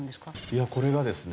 いやこれがですね